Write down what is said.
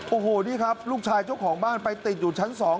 โอ้โหนี่ครับลูกชายเจ้าของบ้านไปติดอยู่ชั้น๒